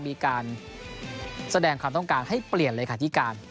มีการแสดงความต้องการให้เปลี่ยนเลขาธิการ